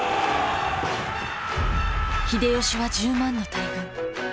秀吉は１０万の大軍。